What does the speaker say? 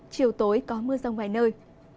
chiều tối có mưa rông vài nơi